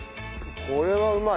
これはうまい。